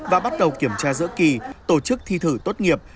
và bắt đầu kiểm tra giữa kỳ tổ chức thi thử tốt nghiệp